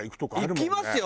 いきますよ。